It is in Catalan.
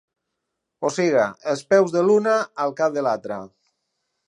O siga, els peus de l’una al cap de l’altra.